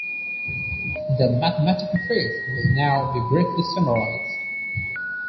The mathematical proof will now be briefly summarized.